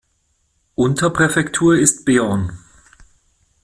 Unterpräfektur ist Beaune.